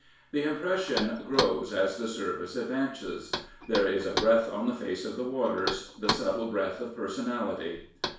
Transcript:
The impression grows as the service advances. There is a breath on the face of the waters — the subtle breath of personality.